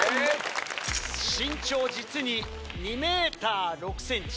身長実に２ｍ６ｃｍ。